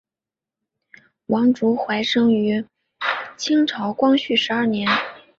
王竹怀生于清朝光绪十二年。